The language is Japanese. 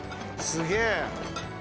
「すげえ」